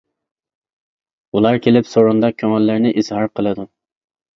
ئۇلار كېلىپ سورۇندا كۆڭۈللىرىنى ئىزھار قىلىدۇ.